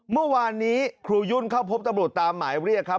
เมื่อวานนี้ครูยุ่นเข้าพบตำรวจตามหมายเรียกครับ